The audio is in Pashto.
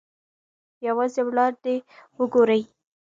یوازې وړاندې وګورئ.